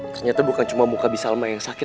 ternyata bukan cuma muka bisa lama yang sakit